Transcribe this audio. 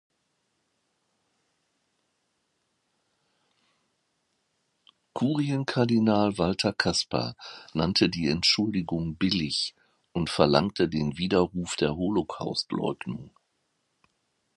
Kurienkardinal Walter Kasper nannte die Entschuldigung „billig“ und verlangte den Widerruf der Holocaust-Leugnung.